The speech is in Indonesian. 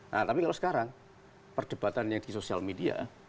nah tapi kalau sekarang perdebatannya di sosial media